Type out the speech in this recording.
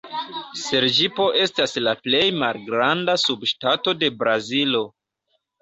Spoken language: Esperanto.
Serĝipo estas la plej malgranda subŝtato de Brazilo.